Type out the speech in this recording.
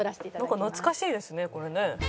なんか懐かしいですねこれね。